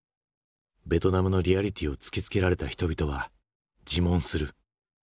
ベトナムのリアリティーを突きつけられた人々は自問する。